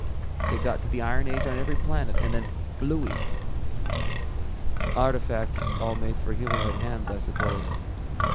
They got to the iron age on every planet and then blooey." "Artifacts all made for humanoid hands I suppose.